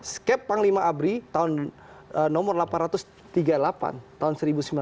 skep panglima abri tahun nomor delapan ratus tiga puluh delapan tahun seribu sembilan ratus sembilan puluh